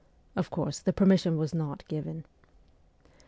Of course the permission was not given.